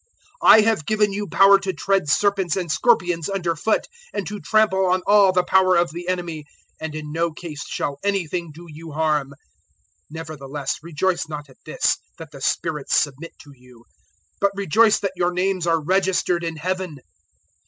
010:019 "I have given you power to tread serpents and scorpions underfoot, and to trample on all the power of the Enemy; and in no case shall anything do you harm. 010:020 Nevertheless rejoice not at this, that the spirits submit to you; but rejoice that your names are registered in Heaven."